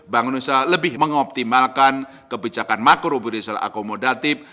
bank indonesia lebih mengoptimalkan kebijakan makrobuditional akomodatif